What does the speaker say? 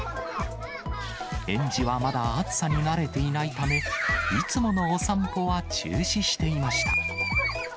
園児はまだ暑さに慣れていないため、いつものお散歩は中止していました。